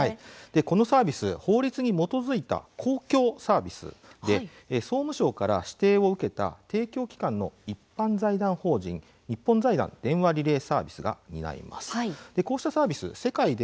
このサービス法律に基づいた公共サービスで総務省から指定を受けた提供機関の一般財団法人日本財団電話リレーサービスが担います。